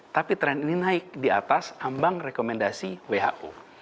tapi tren ini naik di atas ambang rekomendasi who